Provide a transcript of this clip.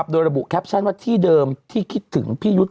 โดยระบุแคปชั่นว่าที่เดิมที่คิดถึงพี่ยุทธ์